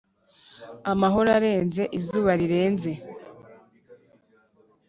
amahoro arenze izuba rirenze,